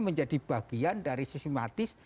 menjadi bagian dari sistematis